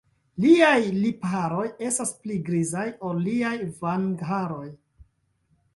Liaj lipharoj estas pli grizaj, ol liaj vangharoj.